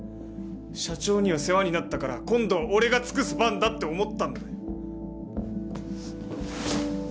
社長には世話になったから今度は俺が尽くす番だって思ったんだよ。